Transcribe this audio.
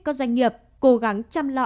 các doanh nghiệp cố gắng chăm lo